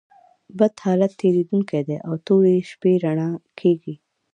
بد حالت تېرېدونکى دئ او توري شپې رؤڼا کېږي.